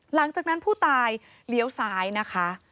หลังจากนั้นผู้ตายเลี้ยวซ้ายนะคะ